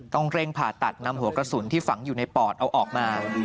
ต้องเร่งผ่าตัดนำหัวกระสุนที่ฝังอยู่ในปอดเอาออกมา